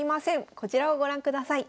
こちらをご覧ください。